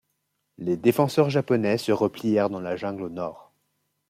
Les défenseurs japonais se replièrent dans la jungle au nord.